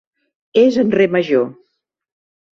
És en re major.